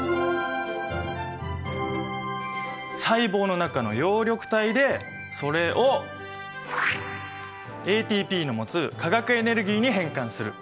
細胞の中の葉緑体でそれをＡＴＰの持つ化学エネルギーに変換する。